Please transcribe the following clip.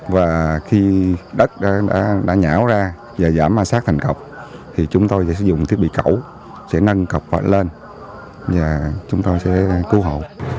và khi đất đã nhảo ra và giảm ma sát thành cọc thì chúng tôi sẽ sử dụng thiết bị cẩu sẽ nâng cọc lên và chúng tôi sẽ cứu hộ